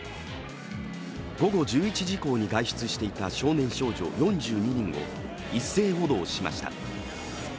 午後１１時以降に外出していた少年少女４２人を一斉補導しました。